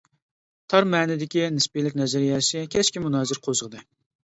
تار مەنىدىكى نىسپىيلىك نەزەرىيەسى كەسكىن مۇنازىرە قوزغىدى.